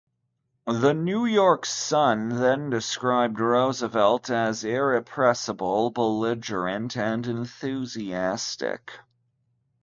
The "New York Sun" then described Roosevelt as "irrepressible, belligerent, and enthusiastic".